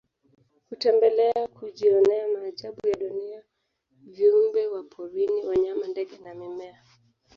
Hutembelea kujionea maajabu ya dunia viumbe wa porini wanyama ndege na mimea